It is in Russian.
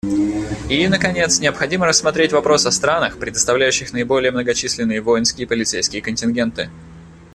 И, наконец, необходимо рассмотреть вопрос о странах, предоставляющих наиболее многочисленные воинские и полицейские контингенты.